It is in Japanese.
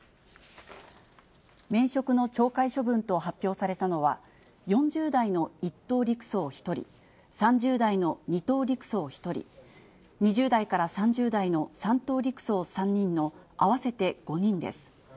免職の懲戒処分と発表されたのは、４０代の１等陸曹１人、３０代の２等陸曹１人、２０代から３０代の３等陸曹３人の合わせて５人です。